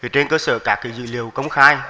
trên cơ sở các dự liệu công khai